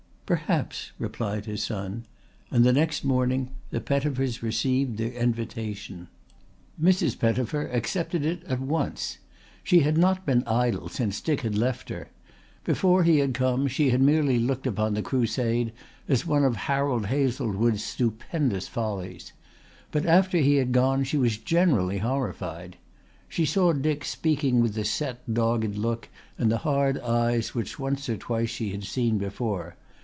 "Perhaps," replied his son; and the next morning the Pettifers received their invitation. Mrs. Pettifer accepted it at once. She had not been idle since Dick had left her. Before he had come she had merely looked upon the crusade as one of Harold Hazlewood's stupendous follies. But after he had gone she was genuinely horrified. She saw Dick speaking with the set dogged look and the hard eyes which once or twice she had seen before.